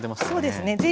そうですね